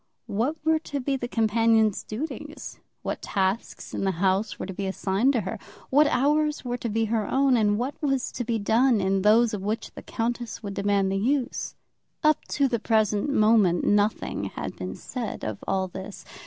What were to be the companion's duties? What tasks in the house were to be assigned to her? What hours were to be her own; and what was to be done in those of which the countess would demand the use? Up to the present moment nothing had been said of all this.